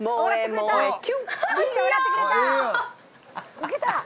ウケた！